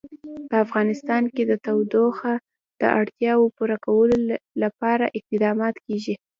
په افغانستان کې د تودوخه د اړتیاوو پوره کولو لپاره اقدامات کېږي.